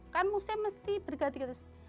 kan mesti berganti ganti